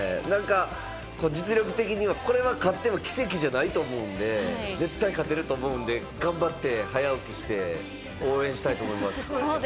実力的にはこれは勝っても奇跡じゃないと思うんで、絶対勝てると思うんで、頑張って早起きして応援したいと思います。